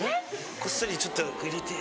こっそりちょっとこう入れて。